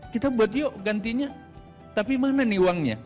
kita buat yuk gantinya tapi mana nih uangnya